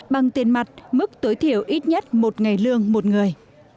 bằng tiền mặt mức tối thiểu ít nhất một ngày lương một người